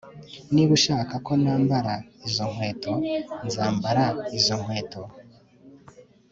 niba ushaka ko nambara izo nkweto, nzambara izo nkweto